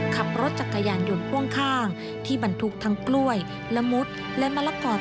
ขับรถจักรยานหยนดห้วงข้างที่บรรทุกทั่งกล้วยละมุษและมะละก่อเต็มคันรถ